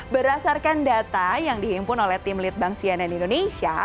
berdasarkan data yang dihimpun oleh tim lead bang sianen indonesia